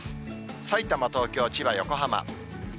さいたま、東京、千葉、横浜。